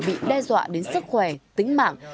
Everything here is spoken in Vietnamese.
bị đe dọa đến sức khỏe tính mạng